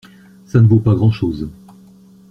Ça ne vaut pas grand-chose.